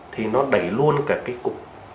thì nó đẩy luôn cả cái cục